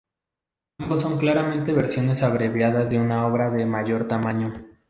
Ambos son claramente versiones abreviadas de una obra de mayor tamaño.